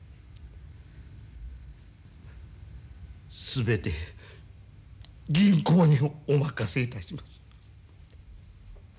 全て銀行にお任せいたします。